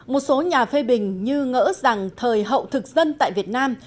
một số nhà phê bình như ngỡ rằng thời hậu thực dân tại việt nam